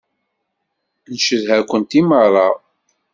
Ncedha-kent i meṛṛa.